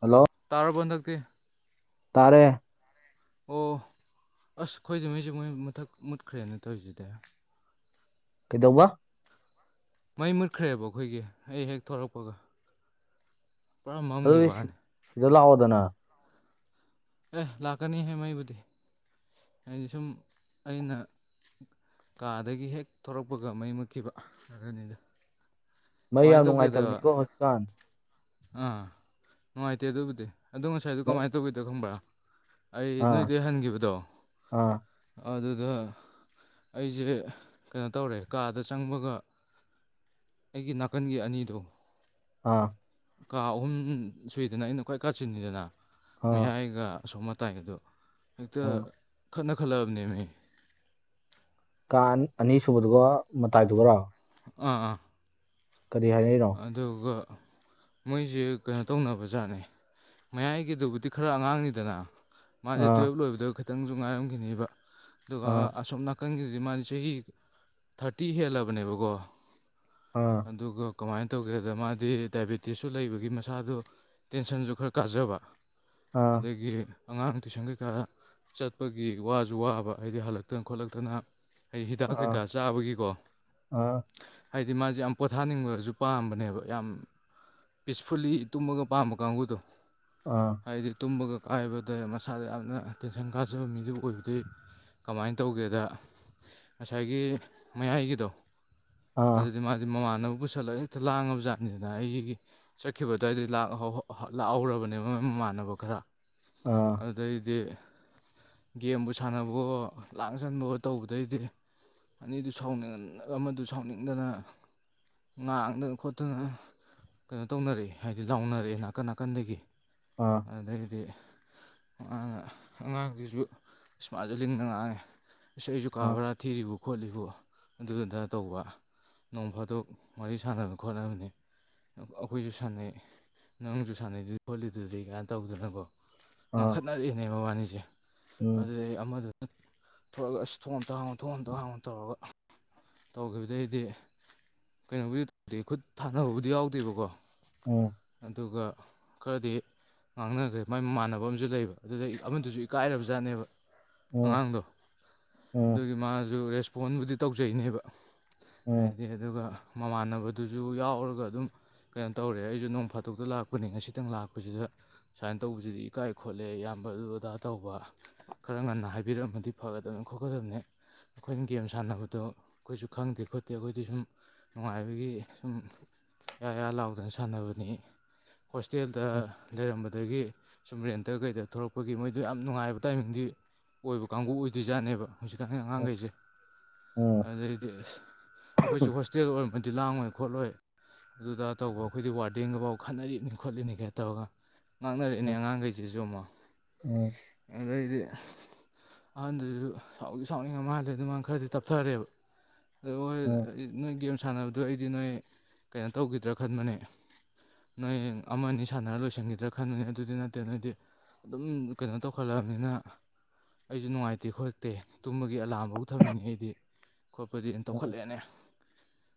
Hello ꯇꯥꯔꯕꯣ ꯍꯟꯗꯛꯇꯤ ꯇꯥꯔꯦ ꯑꯣ ꯑꯁ ꯈꯣꯢꯖꯦ ꯃꯩꯁꯦ ꯃꯣꯏ ꯃꯨꯊꯛ ꯃꯨꯠꯈ꯭ꯔꯦꯅꯦ ꯇꯧꯋꯤꯁꯤꯗꯤ ꯀꯩꯗꯧꯕ ꯃꯩ ꯃꯨꯠꯈ꯭ꯔꯦꯕ ꯑꯩꯈꯣꯏꯒꯤ ꯑꯩ ꯍꯦꯛ ꯊꯣꯔꯛꯄꯒ ꯄꯨꯔꯥ ꯑꯗꯨꯗꯤ ꯃꯝꯈꯤꯕ ꯁꯤ ꯋꯥꯅꯤ ꯁꯤꯗ ꯂꯥꯛꯑꯣꯗꯅ ꯑꯦ ꯂꯥꯛꯀꯅꯤꯍꯦ ꯃꯩꯕꯨꯗꯤ ꯍꯥꯏꯗꯤ ꯁꯨꯝ ꯑꯩꯅ ꯀꯥꯗꯒꯤ ꯍꯦꯛ ꯊꯣꯔꯛꯄꯒ ꯃꯩ ꯃꯨꯠꯈꯤꯕ ꯑꯗꯨꯅꯤꯗ ꯃꯩ ꯀꯃꯥꯏꯅ ꯌꯥꯝ ꯇꯧꯒꯦꯗ ꯅꯨꯡꯉꯥꯏꯇꯝꯅꯤꯀꯣ ꯍꯧꯖꯤꯛ ꯀꯥꯟ ꯑꯥ ꯅꯨꯡꯉꯥꯏꯇꯦ ꯑꯗꯨꯕꯨꯗꯤ ꯑꯗꯣ ꯉꯁꯥꯏꯗꯨ ꯃꯩ ꯀꯃꯥꯏ ꯇꯧꯒꯤꯗꯨ ꯈꯪꯕ꯭ꯔꯥ ꯑꯩ ꯑꯥ ꯅꯣꯏꯗꯩ ꯍꯟꯒꯤꯕꯗꯣ ꯑꯥ ꯑꯗꯨꯗ ꯑꯩꯖꯦ ꯀꯩꯅꯣ ꯇꯧꯔꯦ ꯀꯥꯗ ꯆꯪꯕꯒ ꯑꯩꯒꯤ ꯅꯥꯀꯟꯒꯤ ꯑꯅꯤꯗꯣ ꯑꯥ ꯀꯥ ꯑꯍꯨꯝ ꯁꯨꯏꯗꯅ ꯑꯩꯅ ꯈ꯭ꯋꯥꯏ ꯀꯥꯆꯤꯟꯅꯤꯗꯅ ꯑꯥ ꯃꯌꯥꯏꯒ ꯑꯁꯣꯝ ꯃꯇꯥꯏꯒꯗꯨ ꯍꯦꯛꯇ ꯑꯥ ꯈꯠꯅ ꯈꯠꯂꯛꯑꯝꯅꯦꯃꯦ ꯀꯥ ꯑꯟ ꯑꯅꯤꯁꯨꯕꯗꯨꯒ ꯃꯇꯥꯏꯗꯨꯒꯔꯣ ꯑꯥ ꯑꯥ ꯀꯔꯤ ꯍꯥꯏꯅꯩꯅꯣ ꯑꯗꯨꯗꯨꯒ ꯃꯣꯏꯖꯦ ꯀꯩꯅꯣ ꯇꯧꯅꯕ ꯖꯥꯠꯅꯦ ꯃꯌꯥꯏꯒꯤꯗꯨꯕꯨꯗꯤ ꯈꯔ ꯑꯉꯥꯡꯅꯤꯗꯅ ꯃꯥꯖꯦ ꯑꯥ ꯇꯨꯌꯦꯞ ꯂꯣꯏꯕꯗ ꯈꯤꯇꯪꯁꯨ ꯉꯥꯏꯔꯝꯈꯤꯅꯤꯕ ꯑꯗꯨꯒ ꯑꯥ ꯑꯁꯣꯝ ꯅꯥ ꯀꯟꯒꯤꯗꯨꯗꯤ ꯃꯥꯗꯤ ꯆꯍꯤ ꯊꯥꯔꯇꯤ ꯍꯦꯜꯂꯕꯅꯦꯕꯀꯣ ꯑꯥ ꯑꯗꯨꯒ ꯀꯃꯥꯏ ꯇꯧꯒꯦꯗ ꯃꯥꯗꯤ ꯗꯥꯏꯕꯤꯇꯤꯁꯁꯨ ꯂꯩꯕꯒꯤ ꯃꯁꯥꯗꯣ ꯇꯦꯟꯁꯟꯖꯨ ꯈꯔ ꯀꯥꯖꯕ ꯑꯥ ꯑꯗꯨꯒꯤ ꯑꯉꯥꯡ ꯇꯨꯏꯁꯟ ꯀꯩꯀꯥ ꯆꯠꯄꯒꯤ ꯋꯥꯖꯨ ꯋꯥꯕ ꯍꯥꯏꯗꯤ ꯍꯜꯂꯛꯇꯅ ꯈꯣꯠꯂꯛꯇꯅ ꯍꯩ ꯍꯤꯗꯥꯛ ꯀꯩꯀꯥ ꯑꯥ ꯆꯥꯕꯒꯤꯀꯣ ꯑꯥ ꯍꯥꯏꯗꯤ ꯃꯥꯖꯦ ꯌꯥꯝ ꯄꯣꯊꯥꯅꯤꯡꯂꯖꯨ ꯄꯥꯝꯕꯅꯦꯕ ꯌꯥꯝ ꯄꯤꯁꯐꯨꯜꯂꯤ ꯇꯨꯝꯕꯒ ꯄꯥꯝꯕ ꯀꯥꯡꯒꯨꯗꯣ ꯑꯥ ꯍꯥꯏꯗꯤ ꯇꯨꯝꯕꯒ ꯀꯥꯏꯕꯗ ꯃꯁꯥꯗ ꯌꯥꯝꯅ ꯇꯦꯟꯁꯟ ꯀꯥꯖꯕ ꯃꯤꯗꯨ ꯑꯣꯏꯕꯗꯩ ꯀꯃꯥꯏꯟ ꯇꯧꯒꯦꯗ ꯉꯁꯥꯏꯒꯤ ꯃꯌꯥꯏꯒꯤꯗꯣ ꯑꯥ ꯑꯗꯨꯗꯤ ꯃꯥꯗꯤ ꯃꯃꯥꯟꯅꯕ ꯄꯨꯁꯜꯂ ꯍꯦꯛꯇ ꯂꯥꯡꯉꯕ ꯖꯥꯠꯅꯤꯗꯅ ꯑꯩꯒꯤ ꯆꯠꯈꯤꯕꯗꯨꯋꯥꯏꯗꯩ ꯂꯥꯛꯍꯣ ꯂꯥꯛꯍꯧꯔꯕꯅꯦꯕ ꯃꯣꯏ ꯃꯃꯥꯟꯅꯕ ꯈꯔ ꯑꯥ ꯑꯗꯨꯗꯩꯗꯤ ꯒꯦꯝꯕꯨ ꯁꯥꯟꯅꯕꯑꯣ ꯂꯥꯡꯖꯟꯕꯑꯣ ꯇꯧꯕꯗꯩꯗꯤ ꯑꯅꯤꯗꯨ ꯁꯥꯎꯅꯟ ꯑꯃꯗꯨ ꯁꯥꯎꯅꯤꯡꯗꯅ ꯉꯥꯡ [unintelligible] ꯈꯣꯠꯇꯅ ꯀꯩꯅꯣ ꯇꯧꯅꯔꯦ ꯍꯥꯏꯗꯤ ꯂꯥꯎꯅꯔꯦ ꯅꯥꯀꯟ ꯅꯥꯀꯟꯗꯒꯤ ꯑꯥ ꯑꯗꯩꯗꯤ ꯑꯉꯥꯡꯅ ꯑꯉꯥꯡꯗꯨꯖꯨ ꯏꯁ ꯃꯥꯖꯨ ꯂꯤꯡꯅ ꯉꯥꯡꯉꯦ ꯁꯤ ꯑꯩꯖꯨ ꯑꯥ ꯀꯥ ꯕꯔꯥ ꯊꯤꯔꯤꯕꯨ ꯈꯣꯠꯂꯤꯕꯨ ꯑꯗꯨꯑꯗꯥ ꯇꯧꯕ ꯅꯣꯡ ꯐꯥꯗꯣꯛ ꯋꯥꯔꯤ ꯁꯥꯟꯅꯕ ꯈꯣꯠꯅꯕꯅꯦ ꯑꯩꯈꯣꯏꯖꯨ ꯁꯥꯟꯅꯩ ꯅꯪꯖꯨ ꯁꯥꯟꯅꯩꯗꯨꯗꯤ ꯈꯣꯠꯂꯤꯗꯨꯗꯤ ꯒꯥꯏꯟ ꯇꯧꯗꯅꯀꯣ ꯑꯥ ꯉꯥꯡꯈꯠꯅꯔꯛꯑꯦꯅꯦ ꯃꯕꯥꯅꯤꯖꯦ ꯎꯝ ꯑꯗꯨꯗꯩ ꯑꯃꯗꯨ ꯊꯣꯂꯛꯑꯒ ꯑꯁ ꯊꯣꯡ ꯑꯝꯇ ꯍꯥꯡꯉꯣ ꯊꯣꯡ ꯑꯝꯇ ꯍꯥꯡꯉꯣ ꯇꯧꯔꯒ ꯇꯧꯒꯤꯕꯗꯩꯗꯤ ꯀꯩꯅꯣꯕꯨꯗꯤ [inaudible] ꯈꯨꯠ ꯊꯥꯅꯕꯕꯨꯗꯤ ꯌꯥꯎꯗꯦꯕꯀꯣ ꯎꯝ ꯑꯗꯨꯒ ꯈꯔꯗꯤ ꯉꯥꯡꯅꯒ꯭ꯔꯦ ꯃꯥꯏ ꯃꯃꯥꯟꯅꯕ ꯑꯃꯖꯨ ꯂꯩꯕ ꯑꯗꯨꯗꯩ ꯑꯃꯗꯨꯖꯨ ꯏꯀꯥꯏꯔꯕꯖꯥꯅꯦꯕ ꯎꯝ ꯑꯉꯥꯡꯗꯣ ꯎꯝ ꯑꯗꯨꯒꯤ ꯃꯥꯖꯨ ꯔꯦꯁꯄꯣꯟꯕꯨꯗꯤ ꯇꯧꯖꯩꯅꯦꯕ ꯎꯝ ꯎꯝ ꯍꯥꯏꯗꯤ ꯑꯗꯨꯒ ꯃꯃꯥꯟꯅꯕ ꯑꯗꯨꯖꯨ ꯌꯥꯎꯔꯒ ꯑꯗꯨꯝ ꯀꯩꯅꯣ ꯇꯧꯔꯦ ꯑꯩꯖꯨ ꯅꯣꯡ ꯐꯥꯇꯣꯛꯇ ꯂꯥꯛꯄꯅꯦ ꯉꯁꯤꯇꯪ ꯂꯥꯛꯄꯖꯤꯗ ꯁꯥꯏꯟ ꯇꯧꯕꯖꯤꯗꯤ ꯏꯀꯥꯏ ꯈꯣꯠꯂꯦ ꯏꯌꯥꯝꯕ ꯑꯗꯨ ꯑꯗꯥ ꯇꯧꯕ ꯈꯔ ꯉꯟꯅ ꯍꯥꯏꯕꯤꯔꯝꯃꯗꯤ ꯐꯒꯗꯝꯅꯤ ꯈꯣꯠꯀꯗꯝꯅꯦ ꯑꯩꯈꯣꯏꯅ ꯒꯦꯝ ꯁꯥꯟꯅꯕꯗꯣ ꯑꯩꯈꯣꯏꯁꯨ ꯈꯪꯗꯦ ꯈꯣꯠꯇꯦ ꯑꯩꯈꯣꯏꯗꯤ ꯁꯨꯝ ꯅꯨꯡꯉꯥꯏꯕꯒꯤ ꯁꯨꯝ ꯌꯥ-ꯌꯥ ꯂꯥꯎꯗꯅ ꯁꯥꯟꯅꯕꯅꯤ ꯍꯣꯁꯇꯦꯜꯗ ꯂꯩꯔꯝꯕꯗꯒꯤ ꯁꯨꯝ ꯔꯦꯟꯇ ꯀꯩꯗ ꯊꯣꯂꯛꯄꯒꯤ ꯃꯣꯏꯗꯣ ꯌꯥꯝ ꯅꯨꯡꯉꯥꯏꯕ ꯇꯥꯏꯃꯤꯡꯗꯤ ꯑꯣꯏꯕ ꯀꯥꯡꯒꯨ ꯑꯣꯏꯗꯣꯏꯖꯥꯠꯅꯦꯕ꯫ ꯍꯧꯖꯤꯛꯀꯥꯟ ꯑꯉꯥꯡꯒꯩꯖꯦ ꯎꯝ ꯑꯗꯩꯗꯤ ꯑꯈꯣꯏꯖꯨ ꯍꯣꯁꯇꯦꯜ ꯑꯣꯏꯔꯝꯃꯗꯤ ꯂꯥꯡꯉꯣꯏ꯫ ꯈꯣꯠꯂꯣꯏ ꯑꯗꯨꯗ ꯇꯧꯕ ꯑꯈꯣꯏꯗꯤ ꯋꯥꯔꯗꯦꯟꯒꯕꯥꯎ ꯈꯠꯅꯔꯤꯅꯤ ꯈꯣꯠꯂꯤꯅꯤ ꯒꯥ ꯇꯧꯔꯒ ꯎꯝ ꯉꯥꯡꯅꯔꯛꯑꯦꯅꯦ ꯑꯉꯥꯡꯒꯩꯖꯤꯁꯨ ꯑꯃꯨꯛ [unintelligible] ꯑꯗꯩꯗꯤ ꯑꯍꯟꯗꯨꯖꯨ ꯁꯥꯎꯗꯤ ꯁꯥꯎꯅꯤꯡꯉ ꯃꯥꯜꯂꯦ ꯑꯗꯨ ꯃꯥꯥ ꯈꯔꯗꯤ ꯇꯞꯊꯔꯦꯕ ꯑꯗꯣꯍꯣꯏ ꯅꯣꯏ ꯒꯦꯝ ꯁꯥꯅꯕꯗꯣ ꯑꯩꯗꯤ ꯅꯣꯏ ꯀꯩꯅꯣ ꯇꯧꯒꯤꯗ꯭ꯔꯥ ꯈꯟꯕꯅꯦ ꯅꯣꯏ ꯑꯃꯥꯅꯤ ꯁꯥꯟꯅꯔ ꯂꯣꯏꯁꯤꯟꯒꯤꯗ꯭ꯔꯥ ꯈꯟꯕꯅꯦ ꯑꯗꯨꯗꯤ ꯅꯠꯇꯦ ꯅꯣꯏꯗꯤ ꯑꯗꯨꯝ ꯀꯩꯅꯣ ꯇꯧꯈꯠꯂꯑꯝꯅꯤꯅ ꯑꯩꯖꯨ ꯅꯨꯡꯉꯥꯏꯇꯦ ꯈꯣꯠꯇꯦ ꯇꯨꯝꯕꯒꯤ ꯑꯦꯂꯥꯝꯕꯥꯎ ꯊꯝꯃꯤꯅꯦ ꯑꯩꯗꯤ꯫ ꯈꯣꯠꯄꯗꯤ ꯑꯦ ꯇꯧꯈꯠꯂꯛꯑꯦꯅꯦ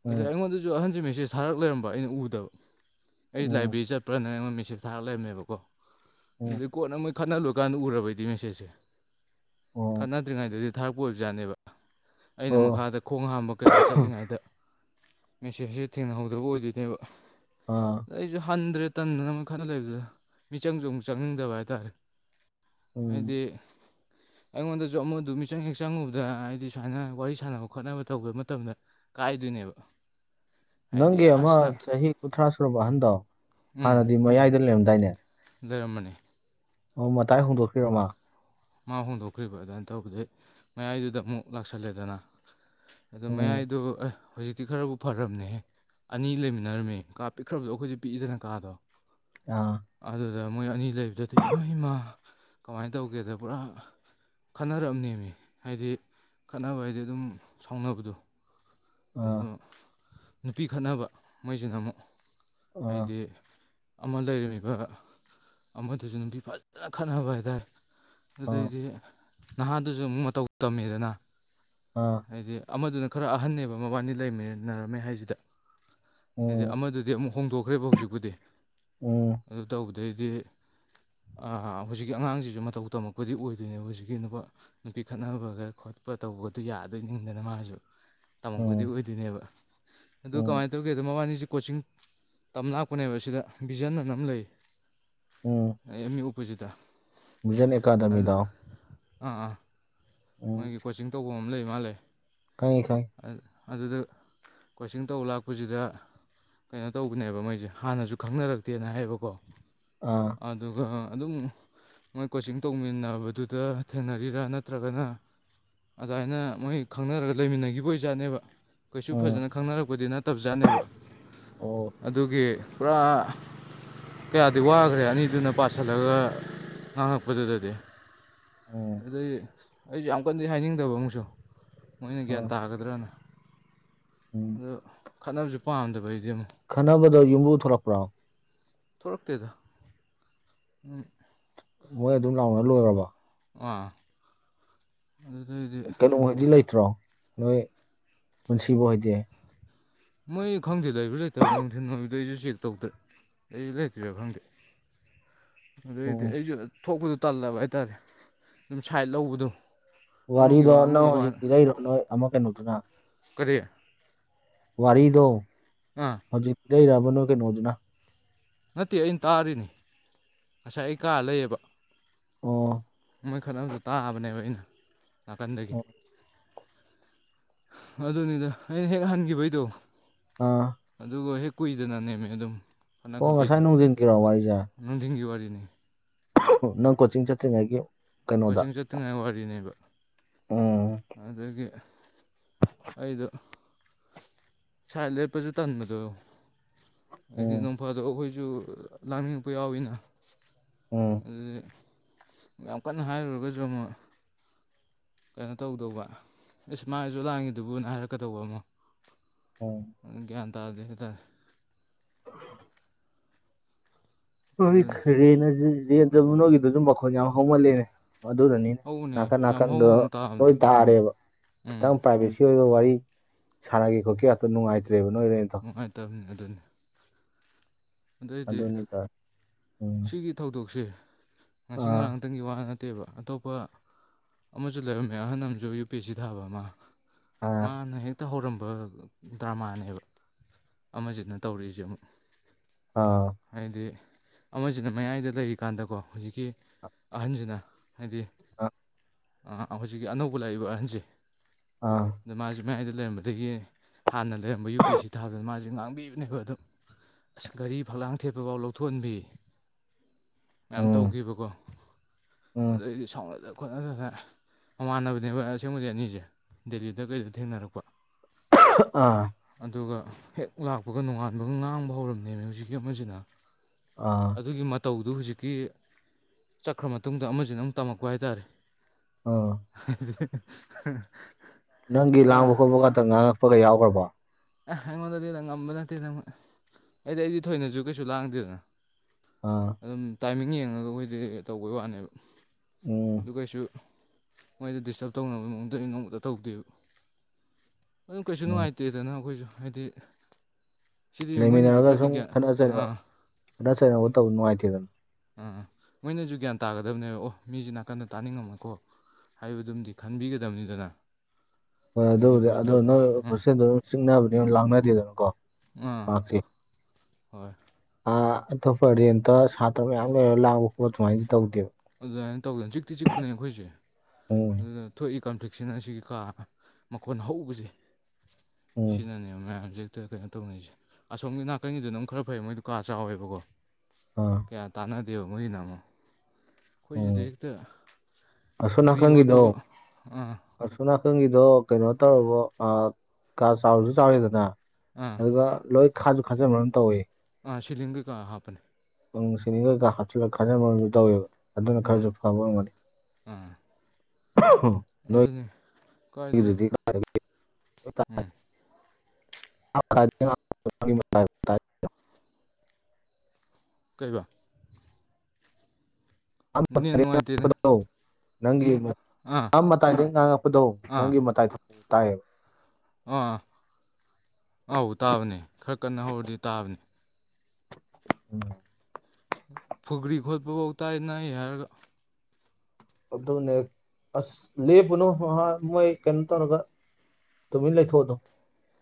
ꯑꯗꯨ ꯎꯝ ꯑꯩꯉꯣꯟꯗ ꯖꯨ ꯑꯍꯟꯖꯦ ꯃꯦꯁꯦꯖ ꯊꯥꯔꯛ ꯂꯩꯔꯝꯕ ꯑꯩꯅ ꯎꯗꯕ ꯑꯩ ꯎꯝ ꯂꯥꯏꯕ꯭ꯔꯦꯔꯤ ꯆꯠ ꯄ꯭ꯔꯅ ꯑꯩꯉꯣꯟ ꯃꯦꯁꯦꯖ ꯊꯥꯔꯛ ꯂꯩꯔꯝꯃꯦꯕꯀꯣ ꯎꯝ ꯎꯝ ꯀꯣꯟꯅ ꯃꯣꯏ ꯈꯠꯅ ꯂꯣꯏꯀꯥꯟꯗ ꯎꯔꯕ ꯑꯩꯗꯤ ꯃꯦꯁꯦꯖꯁꯦ ꯑꯣ ꯈꯠꯅꯗ꯭ꯔꯤꯉꯩꯗꯗꯤ ꯊꯥꯔꯛꯄ ꯑꯣꯏꯕꯖꯥꯅꯦꯕ ꯑꯩꯅ ꯑꯣ ꯃꯈꯥꯗ ꯈꯣꯡ ꯍꯥꯝꯕ ꯀꯩꯀꯥ ꯆꯠꯂꯤꯉꯥꯏꯗ ꯃꯦꯁꯦꯖꯖꯦ ꯊꯦꯡꯅꯍꯧꯗꯕ ꯑꯣꯏꯗꯣꯏꯅꯦꯕ ꯑꯥ ꯑꯩꯖꯨ ꯍꯟꯗ꯭ꯔꯦ ꯇꯟꯗꯅꯕ ꯃꯣꯢ ꯈꯠꯅ ꯂꯩꯕꯗꯨꯗ ꯃꯤꯆꯪꯖꯨ ꯑꯃꯨꯛ ꯆꯪꯅꯤꯡꯗꯕ ꯍꯥꯏꯇꯥꯔꯦ꯫ ꯎꯝ ꯍꯥꯏꯗꯤ ꯑꯩꯉꯣꯟꯗꯁꯨ ꯑꯃꯗꯨ ꯃꯤꯆꯪ ꯍꯦꯛ ꯆꯪꯉꯨꯕꯗ ꯍꯥꯏꯗꯤ ꯁꯨꯃꯥꯏꯅ ꯋꯥꯔꯤ ꯁꯥꯟꯅꯕ ꯈꯣꯠꯅꯕ ꯇꯧꯕ ꯃꯇꯝꯗ ꯀꯥꯏꯗꯣꯏꯅꯦꯕ ꯍꯥꯏꯗꯤ ꯅꯪꯒꯤ ꯑꯁ ꯅ ꯑꯃ ꯆꯍꯤ ꯀꯨꯟꯊ꯭ꯔꯥ ꯁꯨꯔꯕ ꯑꯍꯟꯗꯣ ꯍꯥꯟꯅꯗꯤ ꯃꯌꯥꯏꯗ ꯂꯩꯔꯝꯗꯥꯏꯅꯦ꯫ ꯂꯩꯔꯝꯕꯅꯤ ꯑꯣ ꯃꯇꯥꯏ ꯍꯣꯡꯗꯣꯛꯈꯤꯔꯣ ꯃꯥ? ꯃꯥ ꯍꯣꯡꯗꯣꯛꯈ꯭ꯔꯤꯕ ꯑꯗꯨꯃꯥꯏ ꯇꯧꯕꯗꯩ ꯃꯌꯥꯏꯗꯨꯗ ꯑꯃꯨꯛ ꯂꯥꯛꯁꯜꯂꯦꯗꯅ ꯑꯗꯨ ꯎꯝ ꯃꯌꯥꯏꯗꯨ ꯑꯦ ꯍꯧꯖꯤꯛꯇꯤ ꯈꯔꯕꯨ ꯐꯔꯝꯅꯦꯍꯦ꯫ ꯑꯅꯤ ꯂꯩꯃꯤꯟꯅꯔꯝꯃꯦ ꯀꯥ ꯄꯤꯛꯈ꯭ꯔꯕꯗꯣ ꯑꯈꯣꯏꯗꯤ ꯄꯤꯛꯏꯗꯅ ꯀꯥꯗꯣ ꯑꯥ ꯑꯗꯨꯗ ꯃꯣꯏ ꯑꯅꯤ ꯂꯩꯕꯗꯗꯤ ꯏꯃꯥꯏ ꯃꯥ ꯀꯃꯥꯏ ꯇꯧꯒꯦꯗꯥ ꯄꯨꯔꯥ ꯈꯠꯅꯔꯝꯅꯦꯃꯤ ꯍꯥꯏꯗꯤ ꯈꯠꯅꯕ ꯍꯥꯏꯗꯤ ꯑꯗꯨꯝ ꯁꯥꯎꯅꯕꯗꯣ ꯑꯗꯣ ꯑꯥ ꯅꯨꯄꯤ ꯈꯠꯅꯕ ꯃꯣꯏꯁꯤꯅ ꯑꯃꯨꯛ ꯑꯥ ꯍꯥꯏꯗꯤ ꯑꯃ ꯂꯩꯔꯝꯃꯤꯕ ꯑꯃꯗꯨꯁꯨ ꯅꯨꯄꯤ ꯐꯖꯅ ꯈꯠꯅꯕ ꯍꯥꯏꯇꯥꯔꯦ꯫ ꯑꯥ ꯑꯗꯨꯗꯩꯗꯤ ꯅꯍꯥꯗꯨꯖꯨ ꯑꯃꯨꯛ ꯃꯇꯧ ꯇꯝꯃꯦꯗꯅ꯫ ꯑꯥ ꯍꯥꯏꯗꯤ ꯑꯃꯗꯨꯅ ꯈꯔ ꯑꯍꯟꯅꯦꯕ ꯃꯕꯥꯅꯤ ꯂꯩꯃꯤꯅꯔꯝꯃꯦ ꯍꯥꯏꯖꯤꯗ꯫ ꯍꯥꯏꯗꯤ ꯎꯝ ꯑꯃꯗꯨꯗꯤ ꯑꯃꯨꯛ ꯍꯣꯡꯗꯣꯛꯈ꯭ꯔꯦꯕ ꯍꯧꯖꯤꯛꯄꯨꯗꯤ ꯎꯝ ꯑꯗꯨ ꯇꯧꯕꯗꯩꯗꯤ ꯑꯥ ꯑꯥ ꯍꯨꯖꯤꯛꯀꯤ ꯑꯉꯥꯡꯁꯤꯁꯨ ꯃꯇꯧ ꯇꯝꯃꯛꯄꯗꯤ ꯑꯣꯏꯗꯣꯏꯅꯦꯕ ꯍꯨꯖꯤꯛꯀꯤ ꯅꯨꯄꯥ ꯅꯨꯄꯤ ꯈꯠꯅꯕꯒ ꯈꯣꯠꯄ ꯇꯧꯕ ꯑꯗꯨ ꯌꯥꯗꯣꯏ ꯅꯤꯡꯗꯅ ꯃꯥꯖꯨ ꯇꯝꯃꯛꯄꯗꯤ ꯎꯝ ꯑꯣꯏꯗꯣꯏꯅꯦꯕ꯫ ꯑꯗꯨ ꯎꯝ ꯀꯃꯥꯏ ꯇꯧꯒꯦꯗꯣ ꯃꯕꯥꯅꯤꯁꯤ ꯀꯣꯆꯤꯡ ꯇꯝ ꯂꯥꯛꯄꯅꯦꯕ ꯁꯤꯗ ꯚꯤꯖꯟ ꯑꯅ ꯑꯝ ꯂꯩ ꯎꯝ ꯑꯦꯝ ꯌꯨ ꯑꯣꯄꯣꯖꯤꯠꯗ ꯚꯤꯖꯟ ꯑꯗꯨ ꯑꯦꯀꯥꯗꯃꯤꯗꯣ ꯑꯥ ꯑꯥ ꯃꯣꯏꯒꯤ ꯀꯣꯆꯤꯡ ꯇꯧꯕꯝ ꯑꯝ ꯂꯩꯃꯥꯜꯂꯦ ꯈꯪꯉꯦ ꯈꯪꯉꯦ ꯑ ꯑꯗꯨꯗ ꯀꯣꯆꯤꯡ ꯇꯧ ꯂꯥꯛꯄꯖꯤꯗ ꯀꯩꯅꯣ ꯇꯧꯕꯅꯦꯕ ꯃꯣꯏꯖꯦ ꯍꯥꯟꯅꯖꯨ ꯈꯪꯅꯔꯛꯇꯦꯅ ꯍꯥꯏꯕꯀꯣ ꯑ ꯑꯗꯨꯒ ꯑꯗꯨꯝ ꯃꯣꯏ ꯀꯣꯆꯤꯡ ꯇꯧꯃꯤꯟꯅꯕꯗꯨꯗ ꯊꯦꯡꯅꯔꯤꯔ ꯅꯠꯇ꯭ꯔꯒꯅ ꯑꯗꯥꯏꯅ ꯃꯣꯏ ꯈꯪꯅꯔꯒ ꯂꯩꯃꯤꯟꯅꯒꯤꯕ ꯑꯣꯏꯖꯥꯠꯅꯦꯕ ꯀꯩꯁꯨ ꯎꯝ ꯐꯖꯅ ꯈꯪꯅꯔꯛꯄꯗꯤ ꯅꯠꯇꯞꯖꯥꯠꯅꯦꯕ ꯑꯣ ꯑꯗꯨꯒꯤ ꯄꯨꯔꯥ ꯀꯌꯥꯗꯤ ꯋꯥꯒ꯭ꯔꯦ ꯑꯅꯤꯗꯨꯅ ꯄꯥꯁꯜꯂꯒ ꯉꯥꯡꯉꯛꯄꯗꯨꯗꯗꯤ ꯎꯝ ꯑꯗꯨꯏ ꯑꯩꯖꯨ ꯌꯥꯝ ꯀꯟꯅꯗꯤ ꯍꯥꯏꯅꯤꯡꯗꯕ ꯑꯃꯨꯛꯁꯨ ꯃꯣꯏꯅ ꯒ꯭ꯌꯥꯟ ꯑꯥ ꯇꯥꯒꯗ꯭ꯔꯅ ꯎꯝ ꯑꯗꫭ ꯈꯠꯅꯕꯖꯨ ꯄꯥꯝꯗꯕ ꯑꯩꯗꯤ ꯑꯃꯨꯛ ꯈꯠꯅꯕꯗ ꯌꯨꯝꯕꯨ ꯊꯣꯂꯛꯄ꯭ꯔꯣ ꯊꯣꯔꯛꯇꯦꯗ ꯎꯝ ꯃꯣꯏ ꯑꯗꯨꯝ ꯂꯥꯎꯅ ꯂꯣꯏꯔꯕꯣ [unintelligible] ꯑꯗꯨꯗꯩ ꯀꯩꯅꯣ ꯍꯣꯏꯗꯤ ꯂꯩꯇ꯭ꯔꯣ ꯅꯣꯏ ꯄꯨꯟꯁꯤꯕ ꯍꯣꯏꯗꯤ ꯃꯣꯏ ꯈꯪꯗꯦ ꯂꯩꯕ꯭ꯔ ꯂꯩꯇꯕ꯭ꯔ ꯅꯨꯡꯊꯤꯟ ꯑꯣꯏꯕꯗꯩ [unintelligible] ꯇꯩꯗꯦ ꯂꯩꯔ ꯂꯩꯇ꯭ꯔꯤꯔ ꯈꯪꯗꯦ ꯑꯗꯨꯗꯩꯗꯤ ꯎꯝ ꯑꯩꯖꯨ ꯊꯣꯛꯄꯗꯣ ꯇꯜꯂꯕ ꯍꯥꯏꯇꯥꯔꯦ [unintelligible] ꯁꯥꯏꯠ ꯂꯧꯕꯗꯣ ꯑꯃꯒꯤ ꯋꯥꯔꯤꯗꯣ ꯋꯥ ꯅꯪ ꯑꯃꯒꯤ ꯋꯥ ꯍꯧꯖꯤꯛ ꯂꯤꯔꯛꯏꯔꯣ ꯅꯣꯏ ꯑꯃ ꯀꯩꯅꯣꯗꯨꯅ ꯀꯔꯤ ꯋꯥꯔꯤꯗꯣ ꯑ ꯍꯧꯖꯤꯛ ꯄꯤꯔꯛꯏꯔꯕ ꯅꯣꯏ ꯀꯩꯅꯣꯗꯨꯅ ꯅꯠꯇꯦ ꯑꯩꯟ ꯇꯥꯔꯤꯅꯦ ꯉꯁꯥꯏ ꯑꯩ ꯀꯥ ꯂꯩꯌꯦꯕ ꯑꯣ ꯃꯣꯏ ꯈꯠꯅꯕꯗꫭ ꯇꯥꯕꯅꯦꯕ ꯑꯩꯅ ꯅꯥꯀꯟꯗꯒꯤ ꯑꯣ ꯑꯗꯨꯅꯤꯗ ꯑꯩꯅ ꯍꯦꯛ ꯍꯟꯒꯤꯕꯩꯗꯣ ꯑ ꯑꯗꯨꯒ ꯍꯦꯛ ꯀꯨꯏꯗꯅꯅꯦꯃꯤ ꯑꯗꯨꯝ ꯑꯣ ꯉꯁꯥꯏ ꯅꯨꯡꯗꯤꯟꯒꯤꯔꯣ ꯋꯥꯔꯤꯖꯦ ꯅꯨꯡꯗꯤꯟꯒꯤ ꯋꯥꯔꯤꯅꯦ [unintelligible] ꯅꯪ ꯀꯣꯆꯤꯡ ꯆꯠꯇ꯭ꯔꯤꯉꯩꯒꯤ ꯀꯩꯅꯣꯗ ꯀꯣꯆꯤꯡ ꯆꯠꯇ꯭ꯔꯤꯉꯩ ꯋꯥꯔꯤꯅꯦꯕ ꯎꯝ ꯑꯗꯒꯤ ꯑꯩꯗꯣ ꯁꯥꯏꯠ ꯂꯦꯞꯄꯖꯨ ꯇꯟꯕꯗꯣ [unintelligible] ꯑꯗꯨꯝ ꯎꯝ ꯅꫭꯡꯐꯥꯗꯣꯛ ꯑꯩꯈꫭꯏꯖꯨ ꯂꯥꯡꯅꯤꯡꯉꯛꯄ ꯌꯥꯎꯋꯤꯅ ꯎꯝ [unintelligible] ꯌꯥꯝ ꯀꯟꯅ ꯍꯥꯏꯔꯨꯔꯒꯖꯨ ꯑꯃꯨꯛ ꯀꯩꯅꯣ ꯇꯧꯗꯧꯕ ꯏꯁ ꯃꯥꯖꯨ ꯂꯥꯡꯉꯤꯗꯨꯕꯨꯅ ꯍꯥꯏꯔꯛꯀꯗꯧꯕ ꯑꯃ ꯑꯣ ꯑꯒ꯭ꯌꯥꯟ ꯇꯥꯗꯦ ꯍꯥꯏ ꯇꯥꯔꯦ [inaudible] ꯑꯗꯨꯅꯤ [unintelligible] ꯅꯣꯏꯒꯤꯗꯨꯖꯨ ꯃꯈꯣꯟ ꯌꯥꯝ ꯍꯧꯃꯜꯂꯦꯅꯦ ꯑꯗꯨꯅꯅꯤꯅꯦ ꯍꯧꯕꯅꯦ ꯅꯥꯀꯟ ꯌꯥꯝ ꯍꯧ ꯅꯥꯀꯟꯗꯣ ꯍꯧꯅ ꯇꯥꯕꯅꯦ ꯂꯣꯏ ꯇꯥꯔꯦꯕ ꯎꯝ ꯈꯤꯇꯪ ꯄ꯭ꯔꯥꯏꯕꯦꯁꯤ ꯁꯤ ꯑꯣꯏꯕ ꯋꯥꯔꯤ ꯁꯥꯟꯅꯒꯦ ꯈꯣꯠꯀꯦ ꯀꯥꯇꯣ ꯅꯨꯡꯉꯥꯏꯇ꯭ꯔꯦꯕ ꯅꯣꯏ ꯔꯦꯟ ꯅꯨꯡꯉꯥꯏꯇꯕꯅꯤ ꯑꯗꯨꯅꯤ ꯑꯗꯨ ꯑꯣꯏꯗꯤ ꯑꯗꯨꯅꯤꯗ ꯎꯝ ꯁꯤꯒꯤ ꯊꯧꯗꯣꯛꯁꯦ ꯉꯁꯤ ꯉꯔꯥꯡ ꯑꯥ ꯇꯪꯒꯤ ꯋꯥ ꯅꯠꯇꯦꯕ ꯑꯇꯣꯞꯄ ꯑꯃꯖꯨ ꯂꯩꯔꯝꯃꯦ ꯑꯍꯟ ꯑꯝꯖꯨ ꯌꯨ ꯄꯤ ꯑꯦꯁ ꯁꯤ ꯊꯥꯕ ꯑꯃ ꯑꯥ ꯃꯥꯅ ꯍꯦꯛꯇ ꯍꯧꯔꯝꯕ ꯗ꯭ꯔꯃꯥꯅꯦꯕ ꯑꯃꯖꯤꯅ ꯇꯧꯔꯤꯖꯦ ꯑꯃꯨꯛ ꯑꯥ ꯍꯥꯏꯗꯤ ꯑꯃꯖꯤꯅ ꯃꯌꯥꯏꯗ ꯂꯩꯔꯤꯀꯥꯟꯗꯀꯣ ꯍꯨꯖꯤꯛꯀꯤ ꯑꯍꯟꯖꯤꯅ ꯍꯥꯏꯗꯤ ꯑ ꯑꯥ ꯍꯧꯖꯤꯛꯒꯤ ꯑꯅꯧꯕ ꯂꯥꯛꯏꯕ ꯑꯍꯟꯖꯦ ꯑꯥ ꯑꯗ ꯃꯥꯖꯨ ꯃꯌꯥꯏꯗ ꯂꯩꯔꯝꯕꯗꯒꯤ ꯍꯥꯟꯅ ꯂꯩꯔꯝꯕ ꯌꯨ ꯄꯤ ꯑꯦꯁ ꯁꯤ ꯊꯥꯕꯗꯨꯅ ꯃꯥ ꯖꯦ ꯉꯥꯡꯕꯤꯕꯅꯦꯕ ꯑꯗꯨꯝ ꯑꯁ ꯘꯔꯤ ꯐꯛꯂꯥꯡ ꯊꯦꯠꯄꯐꯥꯎ ꯂꯧꯊꯣꯛꯍꯟꯕꯤ ꯃꯌꯥꯝ ꯎꯝ ꯇꯧꯒꯤꯕꯀꯣ ꯎꯝ ꯑꯗꯨꯗꯩꯗꯤ ꯁꯥꯎꯅꯗ ꯈꯣꯠꯅꯗꯅ ꯃꯃꯥꯟꯅꯕꯅꯦꯕ ꯑꯁꯦꯡꯕꯗꯤ ꯑꯅꯤꯖꯦ ꯗꯦꯜꯂꯤꯗ ꯀꯩꯗ ꯊꯦꯡꯅꯔꯛꯄ ꯑꯥ ꯑꯗꯨꯒ ꯍꯦꯛ ꯂꯥꯛꯄꯒ ꯅꯣꯉꯥꯟꯕꯒ ꯉꯥꯡꯕ ꯍꯧꯔꯝꯅꯦꯃꯤ ꯍꯧꯖꯤꯛꯀꯤ ꯑꯃꯖꯤꯅꯥ ꯑꯥ ꯑꯗꯨꯒꯤ ꯃꯇꯧꯗꯨ ꯍꯨꯖꯤꯛꯀꯤ ꯆꯠꯈ꯭ꯔ ꯃꯇꯨꯡꯗ ꯑꯃꯖꯤꯅ ꯑꯃꯨꯛ ꯇꯝꯃꯛꯄ ꯍꯥꯏꯇꯥꯔꯦ ꯑꯥ [unintelligible] ꯅꯪꯒꯤ ꯂꯥꯡꯕ ꯄꯨꯔꯥ ꯈꯣꯠꯄꯒꯇ ꯉꯥꯡꯉꯛꯄꯒ ꯌꯥꯎꯒꯔ꯭ꯕꯣ ꯑ ꯑꯩꯉꯣꯟꯗꯗꯤ ꯅꯉꯝꯕ ꯅꯠꯇꯦ ꯃꯣꯏ ꯑꯩꯗꯤ ꯑꯩꯗꯤ ꯊꯣꯏꯅꯁꯨ ꯀꯩꯁꯨ ꯂꯥꯡꯗꯦꯗꯅ ꯑꯥ ꯑꯗꯨꯝ ꯇꯥꯏꯃꯤꯡ ꯌꯦꯡꯉꯒ ꯑꯩꯒꯣꯏꯗꯤ ꯇꯧꯕꯩ ꯋꯥꯅꯦꯕ ꯎꯝ ꯗꯨ ꯀꯩꯁꯨ ꯃꯣꯏꯗ ꯗꯤꯁꯇꯔꯕ ꯇꯧꯅꯕ ꯃꯑꯣꯡꯗꯗꯤ ꯅꯣꯡꯃꯇ ꯇꯧꯗꯦꯕ ꯑꯗꯨꯝ ꯀꯩꯁꯨ ꯎꯝ ꯅꯨꯡꯉꯥꯏꯇꯦꯗꯅ ꯑꯩꯈꯣꯏꯖꯨ ꯍꯥꯏꯗꯤ ꯁꯤꯗꯤ ꯃꯣꯏꯅꯁꯨ ꯂꯩꯃꯤꯟꯅꯔꯒ ꯈꯔꯗꯤ ꯁꯨꯝ ꯒ꯭ꯌꯥꯟ ꯈꯠꯅ ꯆꯩꯅ ꯑꯥ ꯈꯠꯅ ꯆꯩꯅꯕ ꯇꯧꯕ ꯅꯨꯡꯉꯥꯏꯇꯦꯗꯅ ꯑꯥ ꯃꯣꯏꯅꯖꯨ ꯒ꯭ꯌꯥꯟ ꯇꯥꯒꯗꯕꯅꯦꯕ ꯑꯣ ꯃꯤꯖꯤ ꯅꯥꯀꯟꯗ ꯇꯥꯅꯤꯡꯉꯝꯃꯣꯏꯀꯣ ꯍꯥꯏꯕꯗꯨꯝꯗꯤ ꯈꯟꯕꯤꯒꯗꯝꯅꯤꯗꯅꯥ ꯍꯣꯏ ꯑꯗꯨꯕꯨꯗꯤ ꯑꯗꯣ ꯅꯣꯏ ꯑꯥ ꯍꯣꯁꯦꯜꯗꯣ ꯑꯗꯨꯝ ꯆꯤꯛꯅꯕꯅꯦꯕ ꯂꯥꯡꯅꯗꯦꯗꯅꯀꯣ ꯑꯥ ꯍꯣꯏ ꯑ ꯑꯇꯣꯞꯄ ꯔꯦꯟꯇ ꯁꯥꯇ꯭ꯔ ꯃꯌꯥꯝ ꯂꯩꯔꯒ ꯂꯥꯡꯕ ꯈꯣꯠꯄ ꯑꯗꯨꯃꯥꯏꯅꯗꯤ ꯇꯧꯗꯦꯕ ꯑꯗꯨꯃꯥꯏꯅ ꯇꯧꯗꯦꯅ ꯆꯤꯛꯇꯤ ꯆꯤꯛꯄꯅꯦ ꯑꯩꯈꯣꯏꯖꯦ [unintelligible] ꯑꯗꯨꯗ ꯊꯣꯛꯏ ꯀꯟꯐ꯭ꯂꯤꯛꯁꯤꯅ ꯁꯤꯒꯤ ꯀꯥ ꯃꯈꯣꯟ ꯍꯧꯕꯖꯦ ꯎꯝ ꯁꯤꯅꯅꯦ ꯃꯌꯥꯝ ꯍꯦꯛꯇ ꯀꯩꯅꯣ ꯇꯧꯅꯩꯖꯦ ꯑꯁꯣꯝꯒꯤ ꯅꯥꯀꯟꯒꯤꯗꯨꯅꯃꯨꯛ ꯈꯔ ꯐꯩ ꯃꯣꯏꯗꯨ ꯀꯥ ꯆꯥꯎꯋꯦꯕꯀꯣ ꯑꯥ ꯀꯌꯥ ꯇꯥꯟꯅꯗꯦꯕ ꯃꯣꯏꯁꯤꯅ ꯑꯃꯨꯛ ꯑꯩꯈꯣꯏꯁꯤꯗꯤ ꯎꯝ ꯍꯦꯛꯇ ꯑꯁꯣꯝ ꯐꯨꯔꯤ ꯅꯥꯀꯟꯒꯤꯗꯣ ꯍꯣꯠꯄꯕꯨ ꯑꯥ ꯑꯁꯣꯝ ꯅꯥꯀꯪꯒꯤꯗꯣ ꯀꯩꯅꯣ ꯇꯧꯔꯕꯣ ꯑ ꯀꯥ ꯆꯥꯎꯁꯨ ꯆꯥꯎꯋꯤꯗꯅ ꯑꯥ ꯑꯗꯨꯒ ꯂꯣꯏ ꯈꯥꯁꯨ ꯈꯥꯖꯤꯟꯕꯝ ꯇꯧꯋꯦ ꯑꯥ ꯁꯤꯂꯤꯡ ꯀꯀꯥ ꯍꯥꯞꯄꯅꯦ ꯁꯤꯂꯤꯡ ꯀꯩꯀꯥ ꯍꯥꯞꯆꯤꯜꯂꯒ ꯈꯥꯖꯤꯟꯕꯝꯁꯨ ꯇꯧꯋꯦꯕ ꯑꯗꯨꯅ ꯑꯥ ꯈꯔꯁꯨ ꯐꯕꯥ ꯑꯣꯏꯔꯝꯒꯅꯤ [unintelligible] ꯑꯗꯨꯅꯦ ꯑꯩꯈꯣꯏꯗꯨꯗꯤ ꯎꯝ [unintelligible] [unintelligible] ꯀꯩꯕ ꯅꯦꯠ ꯅꯨꯡꯉꯥꯏꯇꯦꯅꯦ [unintelligible] ꯅꯪꯒꯤ ꯑꯥ ꯅ ꯃꯇꯥꯏꯗꯒꯤ ꯉꯥꯡꯉꯛꯄꯗꯣ ꯅꯪꯒꯤ ꯃꯇꯥꯏꯗꯨ ꯇꯥꯏꯑꯦꯕ ꯑꯥꯥ ꯑꯥꯎ ꯇꯥꯕꯅꯦ ꯈꯔ ꯀꯟꯅ ꯍꯧꯔꯗꯤ ꯇꯥꯕꯅꯦ [inaudible] ꯐꯨꯒ꯭ꯔꯤ ꯈꯣꯠꯄꯐꯥꯎ ꯇꯥꯏꯅꯩ ꯍꯥꯏꯔꯒ ꯑꯗꯨꯅꯦ ꯑꯁ ꯂꯦꯞꯄꯨꯅꯣ [unintelligible] ꯃꯣꯏ ꯀꯩꯅꯣ ꯇꯧꯔꯒ ꯇꯨꯃꯤꯟ ꯂꯩꯊꯣꯛꯑꯣ ꯑꯗꯨꯝ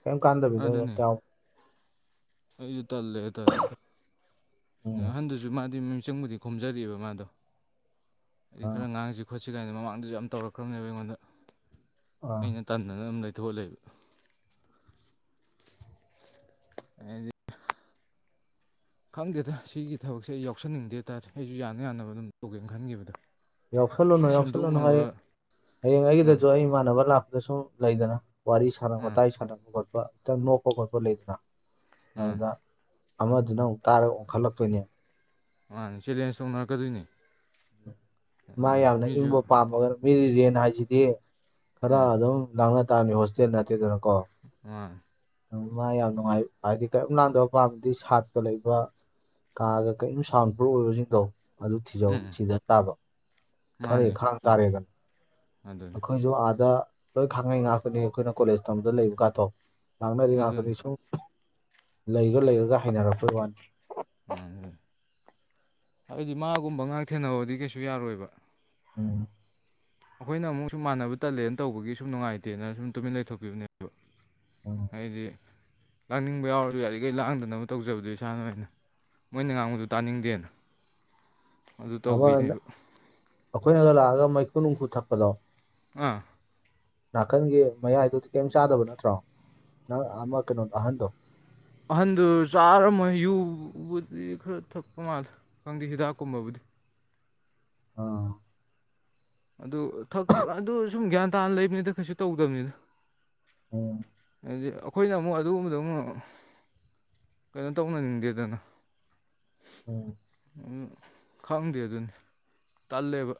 ꯀꯔꯤꯝ ꯀꯥꯟꯗꯕꯤꯗ ꯑꯗꯨꯅꯤ [unintelligible] ꯑꯩꯁꯨ ꯇꯜꯂꯦ ꯍꯥꯏꯇꯥꯔꯦ [inaudible] ꯑꯍꯟꯗꯨꯁꯨ ꯃꯥꯗꯤ ꯃꯤꯡꯆꯪꯕꯨꯗꯤ ꯈꯣꯝꯖꯔꯤꯕ ꯃꯥꯗꯣ ꯑꯩꯗꯤ ꯈꯔ ꯑꯥ ꯉꯥꯡꯁꯤ ꯈꯣꯠꯁꯤ ꯀꯥꯏꯅ ꯃꯃꯥꯡꯗꯁꯨ ꯌꯥꯝ ꯇꯧꯔꯛꯈ꯭ꯔꯕꯅꯤꯕ ꯑꯩꯉꯣꯟꯗ ꯑꯥ ꯑꯩꯅ ꯇꯟꯗꯅ ꯑꯗꯨꯝ ꯂꯩꯊꯣꯛꯑ ꯂꯩꯕ [inaudible] ꯑꯩꯗꯤ ꯈꯪꯗꯦꯗ ꯁꯤꯒꯤ ꯊꯕꯛꯁꯦ ꯑꯩ ꯌꯥꯎꯁꯟꯅꯤꯡꯗꯦ ꯑꯩꯁꯨ ꯌꯥꯅ ꯌꯥꯅꯕ ꯑꯗꯨꯝ ꯇꯧꯒꯦꯅ ꯈꯟꯈꯤꯕꯗꯣ ꯌꯥꯎꯁꯜꯂꯨꯅꯨ ꯌꯥꯎꯁꯜꯂꯨꯅꯨ ꯁꯦꯝꯗꯣꯛꯅꯕ ꯍꯌꯦꯡ ꯍꯌꯦꯡ ꯑꯥ ꯑꯩꯒꯤꯗꯁꯨ ꯑꯩ ꯏꯃꯥꯟꯅꯕ ꯂꯥꯛꯄꯗ ꯁꯨꯝ ꯂꯩꯗꯅ ꯋꯥꯔꯤ ꯁꯥꯟꯅꯕ ꯑꯥ ꯋꯥꯇꯥꯏ ꯁꯥꯟꯅꯕ ꯈꯣꯠꯄ ꯈꯤꯇꯪ ꯅꯣꯛꯄ ꯈꯣꯠꯄ ꯂꯩꯗꯅ ꯃꯥꯅꯤ ꯑꯗꯨꯗ ꯑꯃꯗꯨꯅ ꯑꯃꯨꯛ ꯇꯥꯔꯒ ꯑꯣꯟꯈꯠꯂꯛꯇꯣꯏꯅꯦ ꯃꯥꯅꯦ ꯆꯦꯂꯦꯟꯖ ꯇꯧꯅꯔꯛꯀꯗꯣꯏꯅꯤ ꯃꯥ ꯑꯗꯨꯅꯤ ꯌꯥꯝꯅ ꯃꯤꯁꯨ ꯏꯪꯕ ꯄꯥꯝꯃꯒ ꯃꯤꯒꯤ ꯔꯦꯟ ꯍꯥꯏꯁꯤꯗꯤ ꯈꯔ ꯑꯥ ꯑꯗꯨꯝ ꯂꯥꯡꯅ ꯇꯥꯝꯅꯤ ꯍꯣꯁꯇꯦꯜ ꯅꯠꯇꯦꯗꯅ ꯀꯣ [unintelligible] ꯃꯥ ꯌꯥꯝ ꯅꯨꯡꯉꯥꯏ ꯍꯥꯏꯗꯤ ꯀꯔꯤꯝ ꯅꯥꯟꯗꯕ ꯄꯥꯝꯕꯗꯤ ꯁꯥꯠꯇ ꯂꯩꯕ ꯀꯥꯒ ꯀꯔꯤꯝ ꯁꯥꯎꯟ ꯄ꯭ꯔꯨꯨꯞ ꯑꯣꯏꯕꯁꯤꯡꯗꯣ ꯑꯗꯨ ꯊꯤꯖꯧ ꯎꯝ ꯁꯤꯗ ꯇꯥꯕ ꯈꯔ ꯃꯥꯅꯤ ꯈꯥꯡ ꯇꯥꯔꯦꯗꯥꯅ ꯑꯗꯨꯅꯤ ꯑꯩꯈꯣꯏꯁꯨ ꯑꯥꯗ ꯂꯣꯏ ꯈꯥꯡꯉꯩ ꯉꯥꯛꯀꯅꯤ ꯑꯩꯈꯣꯏꯅ ꯀꯣꯂꯦꯖ ꯇꯝꯕꯗ ꯂꯩꯕꯀꯥꯗꯣ ꯂꯥꯡꯅꯔꯤ ꯑꯗꯨꯅꯤ ꯉꯥꯛꯇꯅꯤ ꯁꯨꯝ ꯂꯩꯔ ꯂꯩꯔꯒ ꯍꯩꯅꯔꯛꯄꯩ ꯋꯥꯅꯤ ꯎꯝ ꯎꯝ ꯍꯥꯏꯕꯗꯤ ꯃꯥꯒꯨꯝꯕ ꯉꯥꯛ ꯊꯦꯡꯅꯕꯗꯤ ꯀꯩꯁꯨ ꯌꯥꯔꯣꯏꯕ ꯎꯝ ꯑꯩꯈꯣꯏꯅ ꯑꯃꯨꯛ ꯁꯨꯝ ꯃꯥꯟꯅꯕ ꯇꯜꯂꯦꯅ ꯇꯧꯕꯒꯤ ꯁꯨꯝ ꯅꯨꯡꯉꯥꯏꯇꯦꯅ ꯁꯨꯝ ꯇꯨꯃꯤꯟ ꯂꯩꯊꯣꯛꯄꯤꯕꯅꯦꯕ ꯑꯣ ꯑꯩꯗꯤ ꯂꯥꯡꯅꯤꯡꯕ ꯌꯥꯎꯔꯁꯨ ꯌꯥꯏꯔꯤ ꯀꯩ ꯂꯥꯡꯗꯅꯕ ꯇꯧꯖꯕꯗꯣ ꯏꯁꯥꯅꯥꯏꯅ ꯃꯣꯏꯅ ꯉꯥꯡꯕꯗꯨ ꯇꯥꯅꯤꯡꯗꯦꯅ ꯑꯗꯨ ꯑꯃ ꯇꯧꯕꯩꯅꯦꯕ ꯑꯩꯈꯣꯏꯅꯒ ꯂꯥꯛꯑꯒ ꯃꯩꯈꯨ ꯅꯨꯡꯈꯨ ꯊꯛꯄꯗꯣ ꯑꯥ ꯅꯥꯀꯟꯒꯤ ꯃꯌꯥꯏꯗꯨꯗꯤ ꯀꯔꯤꯝ ꯆꯥꯗꯕ ꯅꯠꯇ꯭ꯔꯣ ꯅꯪ ꯑꯃ ꯀꯩꯅꯣ ꯑꯍꯟꯗꯣ ꯑꯍꯟꯗꯨ ꯆꯥꯔꯝꯃꯣꯏꯍꯦ ꯌꯨꯕꯨꯗꯤ ꯈꯔ ꯊꯛꯄ ꯃꯥꯜꯂꯦ ꯈꯪꯗꯦ ꯍꯤꯗꯥꯛꯀꯨꯝꯕꯕꯨꯗꯤ ꯑꯥ ꯑꯗꯨꯛ ꯊꯛ ꯑꯗꯨ ꯁꯨꯝ ꯒ꯭ꯌꯥꯟ ꯇꯥꯅ ꯂꯩꯕꯅꯤꯗ ꯀꯩꯁꯨ ꯇꯧꯗꯕꯅꯤꯗ ꯎꯝ ꯍꯥꯏꯗꯤ ꯑꯩꯈꯣꯏꯅ ꯑꯃꯨꯛ ꯑꯗꯨꯒꯨꯝꯕꯗꯨ ꯑꯃꯨꯛ ꯀꯩꯅꯣ ꯇꯧꯅꯅꯤꯡꯗꯦꯗꯅ ꯎꯝ ꯎꯝ ꯈꯪꯗꯦ ꯑꯗꯨꯅꯦ ꯇꯜꯂꯦꯕ